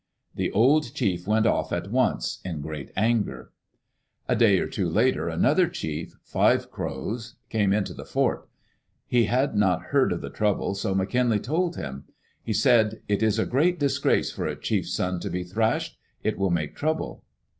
The old chief went off at once in great anger. A day or two later another chief, Five Crows, came into, the fort. He had not heard of the trouble, so McKinlay told him. He said, " It is a great disgrace for a chiefs son to be thrashed. It will make trouble."